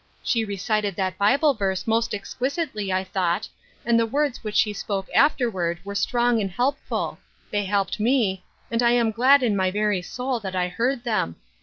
She recited that Bible verse most exquisitely, I thought, and the words which she spoke after ward were strong and helpful ; they helped me, and I am glad in my very soul that I heard them.